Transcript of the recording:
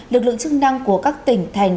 lực lượng chức năng của các tỉnh thành